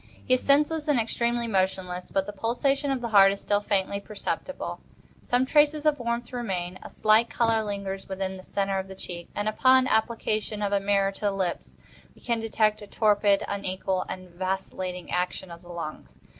He is senseless and externally motionless; but the pulsation of the heart is still faintly perceptible; some traces of warmth remain; a slight color lingers within the centre of the cheek; and, upon application of a mirror to the lips, we can detect a torpid, unequal, and vacillating action of the lungs.